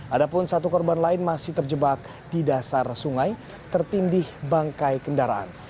ada pun satu korban lain masih terjebak di dasar sungai tertindih bangkai kendaraan